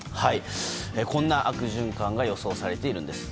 こんな悪循環が予想されているんです。